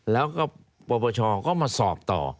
แล้วก็ปปชก็มาสอบต่อ